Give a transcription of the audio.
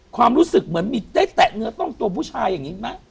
ความรู้สึกเหมือนมีได้แตะเนื้อต้องตัวผู้ชายอย่างนี้ไหม